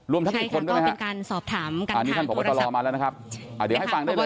รวมทั้งอีกคนด้วยนะครับอันนี้ท่านพบตรมาแล้วนะครับอ่าเดี๋ยวให้ฟังได้เลยนะครับ